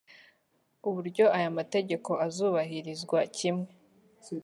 uburyo aya mategeko azubahirizwa kimwe